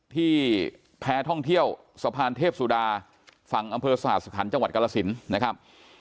ที่แพ้ท่องเที่ยวสะพานเทพสุดาฝั่งอำเภอสหสถานจังหวัดกรสินนะครับ